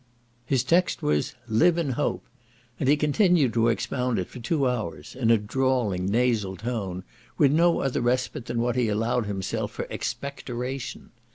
His text was "Live in hope," and he continued to expound it for two hours in a drawling, nasal tone, with no other respite than what he allowed himself for expectoration.